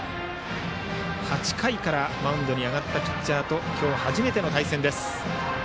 ８回からマウンドに上がったピッチャーと今日初めての対戦です。